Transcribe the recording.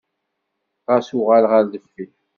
Ɣas uɣal ɣer deffir.